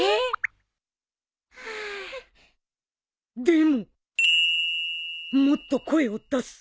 でももっと声を出す。